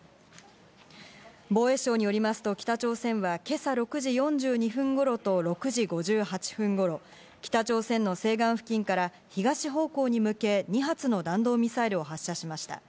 防衛省によりますと北朝鮮は今朝６時４２分頃と６時５８分頃、北朝鮮の西岸付近から東方向に向け２発の弾道ミサイルを発射しました。